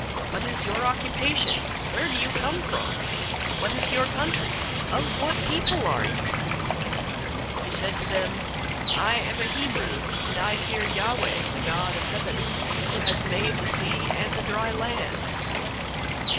What is your occupation? Where do you come from? What is your country? Of what people are you?" 001:009 He said to them, "I am a Hebrew, and I fear Yahweh, the God of heaven, who has made the sea and the dry land."